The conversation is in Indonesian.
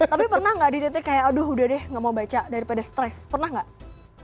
tapi pernah nggak di titik kayak aduh udah deh nggak mau baca daripada stres pernah gak